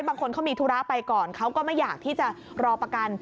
บางคนเขามีธุระไปก่อนเขาก็ไม่อยากที่จะรอประกัน